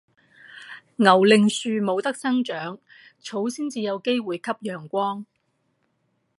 牛令樹冇得生長，草先至有機會吸陽光